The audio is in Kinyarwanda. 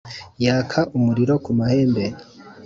yaka umuriro ku mahembe